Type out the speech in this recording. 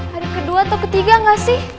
hari kedua atau ketiga nggak sih